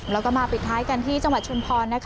แล้วก็มาปิดท้ายกันที่จังหวัดชุมพร